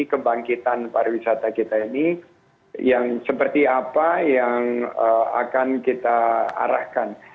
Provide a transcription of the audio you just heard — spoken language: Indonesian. kebangkitan pariwisata kita ini yang seperti apa yang akan kita arahkan